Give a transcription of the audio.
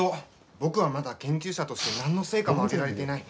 僕は、まだ研究者として何の成果も上げられていない。